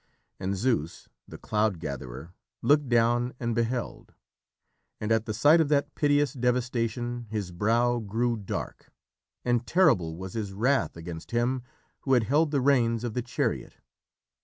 And Zeus, the cloud gatherer, looked down and beheld. And at the sight of that piteous devastation his brow grew dark, and terrible was his wrath against him who had held the reins of the chariot.